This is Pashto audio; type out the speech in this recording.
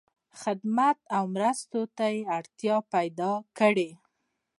خدمت او مرستو ته اړتیا پیدا کړی.